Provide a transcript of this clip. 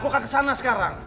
aku akan kesana sekarang